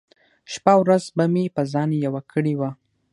شپه ورځ به مې په ځان يوه کړې وه .